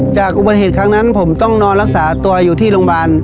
จากอุบัติเหตุครั้งนั้นผมต้องนอนรักษาตัวอยู่ที่โรงพยาบาล